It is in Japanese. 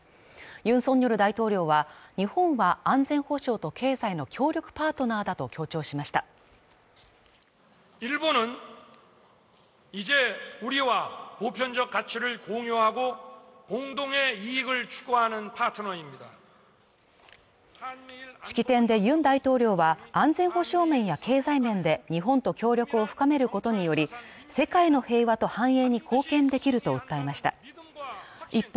ユン・ソンニョル大統領は日本は安全保障と経済の協力パートナーだと強調しました式典でユン大統領は安全保障面や経済面で日本と協力を深めることにより世界の平和と繁栄に貢献できると訴えました一方